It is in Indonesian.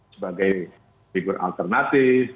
sebagai figur alternatif